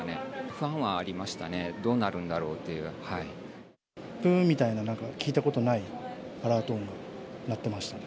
不安はありましたね、どうなるんぷーみたいな、なんか聞いたことないアラート音、鳴ってましたね。